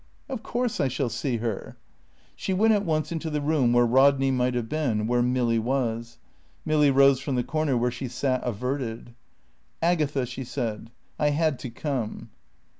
"Of course I shall see her." She went at once into the room where Rodney might have been, where Milly was. Milly rose from the corner where she sat averted. "Agatha," she said, "I had to come."